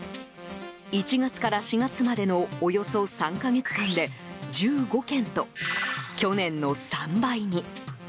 １月から４月までのおよそ３か月間で１５件と去年の３倍に。